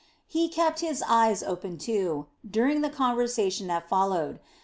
He kept his eyes open, too, during the conversation that followed.